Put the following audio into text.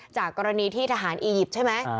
จากกรณีที่ทหารอียิปต์ใช่ไหม